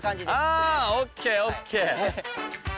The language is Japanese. あＯＫＯＫ。